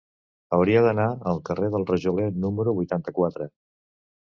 Hauria d'anar al carrer del Rajoler número vuitanta-quatre.